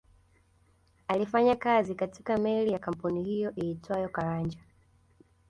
Alifanya kazi katika meli ya kampuni hiyo iitwayo Caranja